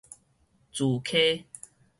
慈谿